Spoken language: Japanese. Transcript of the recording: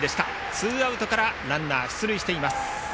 ツーアウトからランナーが出塁しています。